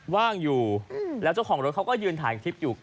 ว่างอยู่แล้วเจ้าของรถเขาก็ยืนถ่ายคลิปอยู่